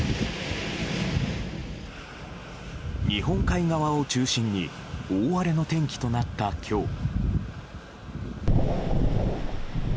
日本海側を中心に大荒れの天気となった今日。